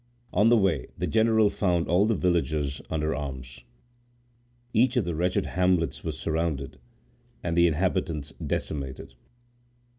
On the way, the general found all the villages under arms. Each of the wretched hamlets was surrounded, and the inhabitants decimated.